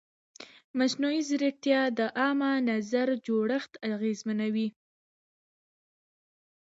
مصنوعي ځیرکتیا د عامه نظر جوړښت اغېزمنوي.